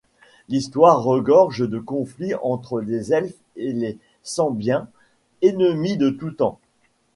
L'histoire regorge de conflits entre les Elfes et les Sembiens, ennemis de tout temps.